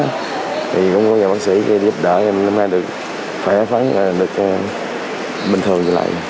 thì cũng có nhiều bác sĩ giúp đỡ em năm nay được khỏe phấn được bình thường lại